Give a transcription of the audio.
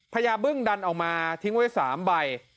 ญาบึ้งดันออกมาทิ้งไว้๓ใบ